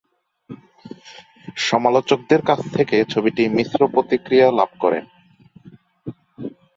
সমালোচকদের কাছ থেকে ছবিটি মিশ্র প্রতিক্রিয়া লাভ করে।